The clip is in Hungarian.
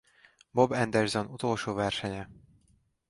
Bob Anderson utolsó versenye.